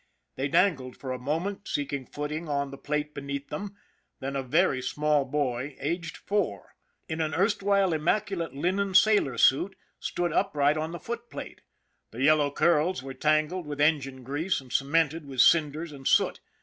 They dangled for a moment, seeking foot ing on the plate beneath ; then a very small boy, aged four, in an erstwhile immaculate linen sailor suit, stood upright on the foot plate. The yellow curls were tangled with engine grease and cemented with cinders and soot.